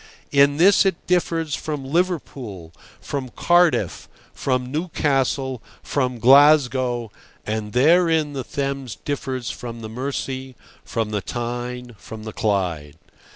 In this it differs from Liverpool, from Cardiff, from Newcastle, from Glasgow; and therein the Thames differs from the Mersey, from the Tyne, from the Clyde.